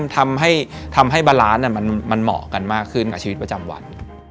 ทำให้บาลานซ์มันเหมาะกันมากขึ้นกับชีวิตประจำวัน